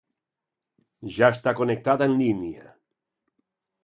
Ja està connectat en línia.